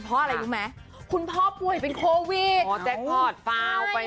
เพราะอะไรรู้มั้ยคุณพ่อป่วยเป็นโควิดอ๋อเจ็ดพอดฟ้าออกไปเลย